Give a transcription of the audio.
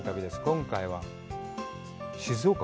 今回は、静岡。